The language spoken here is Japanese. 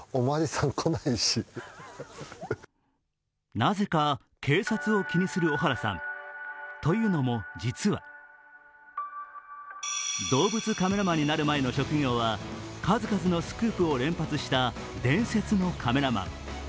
なぜか警察を気にする小原さんというのも実は、動物カメラマンになる前の職業は数々のスクープを連発した伝説のカメラマン。